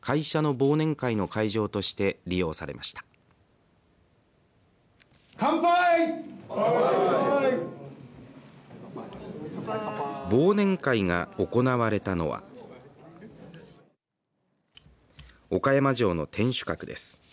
忘年会が行われたのは岡山城の天守閣です。